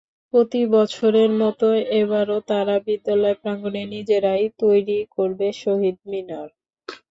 প্রতিবছরের মতো এবারও তারা বিদ্যালয় প্রাঙ্গণে নিজেরাই তৈির করবে শহীদ মিনার।